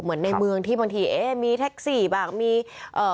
เหมือนในเมืองที่บางทีเอ๊ะมีแท็กซี่บ้างมีเอ่อ